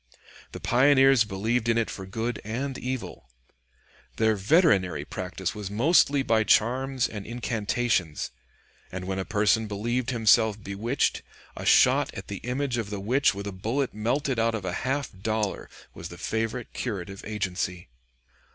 The pioneers believed in it for good and evil. Their veterinary practice was mostly by charms and incantations; and when a person believed himself bewitched, a shot at the image of the witch with a bullet melted out of a half dollar was the favorite curative agency.